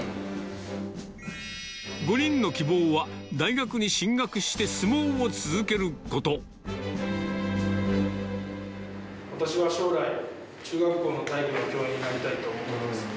５人の希望は、大学に進学し私は将来、中学校の体育の教員になりたいと思っております。